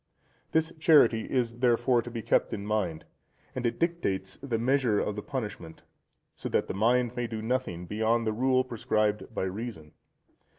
This charity is, therefore, to be kept in mind, and it dictates the measure of the punishment, so that the mind may do nothing beyond the rule prescribed by reason.